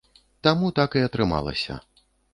Таму так і атрымалася.